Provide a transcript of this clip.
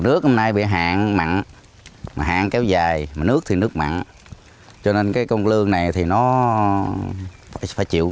nước hôm nay bị hạn và hạn kéo dài nước thì nước mạng cho nên cái con dương này thì nó phải chịu